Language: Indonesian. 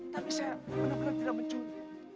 tapi saya benar benar tidak mencuri